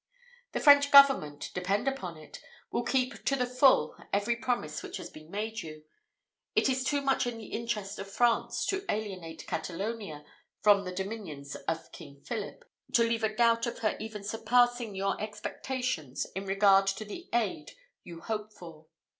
The French government, depend upon it, will keep to the full every promise which has been made you. It is too much the interest of France to alienate Catalonia from the dominions of King Philip, to leave a doubt of her even surpassing your expectations in regard to the aid you hope for."